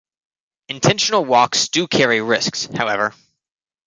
Intentional walks do carry risks, however.